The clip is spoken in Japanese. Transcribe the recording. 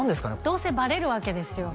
どうせバレるわけですよ